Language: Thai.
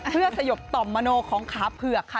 เพื่อสยบต่อมมโนของขาเผือกค่ะ